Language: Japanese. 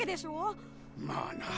まあな。